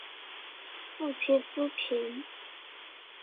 父亲苏玭。